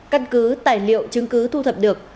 căn cứ tài liệu chứng cứ thu thập được